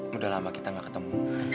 sudah lama kita enggak ketemu